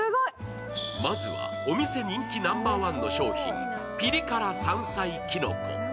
まずはお店人気ナンバーワンの商品、ピリ辛山菜きのこ。